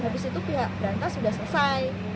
habis itu pihak berantas sudah selesai